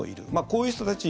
こういう人たち